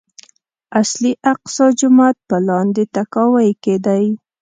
اصلي اقصی جومات په لاندې تاكاوۍ کې دی.